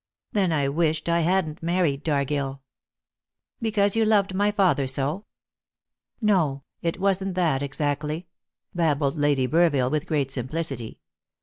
Then I wished I hadn't married Dargill." "Because you loved my father so?" "No, it wasn't that exactly," babbled Lady Burville, with great simplicity.